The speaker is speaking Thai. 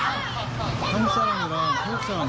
มีหนุ่มที่เหลียวยังมีผู้ชมซึ่ง